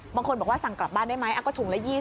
บางคนบอกว่าสั่งกลับบ้านได้ไหมก็ถุงละ๒๐